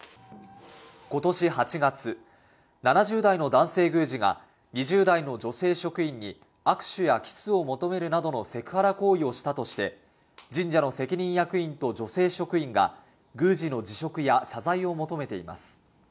今年８月、７０代の男性宮司が２０代の女性職員に握手やキスを求めるなどのセクハラ行為をしたとして、神社の責任役員と女性職員が宮司の辞職や謝罪を求めています。